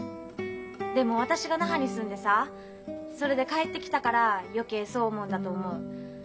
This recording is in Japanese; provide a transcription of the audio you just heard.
でも私が那覇に住んでさそれで帰ってきたから余計そう思うんだと思う。